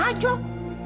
harusnya kamu tuh